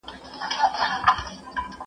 د ښځي د شتمنۍ حقوق او مکلفيتونه.